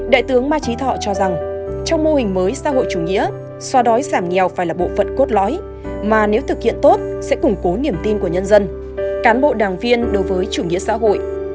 đại tướng ma trí thọ cho rằng trong mô hình mới xã hội chủ nghĩa soa đói giảm nghèo phải là bộ phận cốt lõi mà nếu thực hiện tốt sẽ củng cố niềm tin của nhân dân cán bộ đảng viên đối với chủ nghĩa xã hội